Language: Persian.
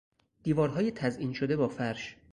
دیوارهای تزئین شده با فرش